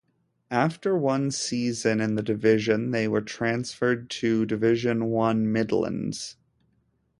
After one season in the division they were transferred to Division One Midlands.